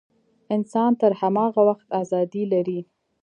انسان تر هماغه وخته ازادي لري.